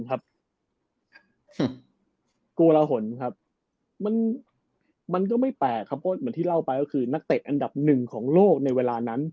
กลัวละหนครับมันก็ไม่แปลกครับเพราะเหมือนที่เล่าไปก็คือนักเตะอันดับหนึ่งของโลกในเวลานั้น